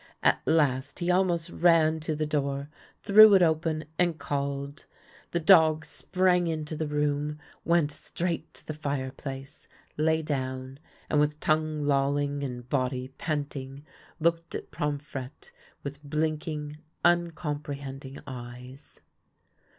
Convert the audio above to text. At last he almost ran to the door, threw it open, and called. The dog sprang into the room, went straight to the fireplace, lay down, and with tongTJe lolling and body panting THE LITTLE BELL OF HONOUR 107 looked at Pomfrette with blinking, uncomprehending eyes.